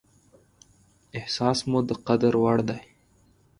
احساس مو د قدر وړ دى.